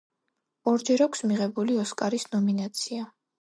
ორჯერ აქვს მიღებული ოსკარის ნომინაცია.